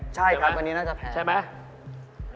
ใช่ครับวันนี้น่าจะแพง